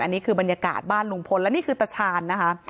อันนี้คือบรรยากาศบ้านลุงพลและนี่คือตาชาญนะคะ